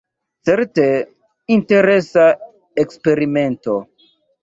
Certe interesa eksperimento.